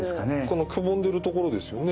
このくぼんでるところですよね。